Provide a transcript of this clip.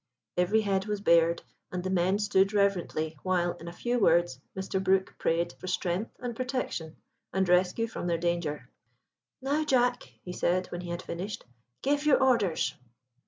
Every head was bared, and the men stood reverently while, in a few words, Mr. Brook prayed for strength and protection, and rescue from their danger. "Now, Jack," he said when he had finished, "give your orders."